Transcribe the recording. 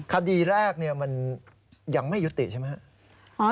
คดีแรกเนี่ยมันยังไม่ยุติใช่ไหม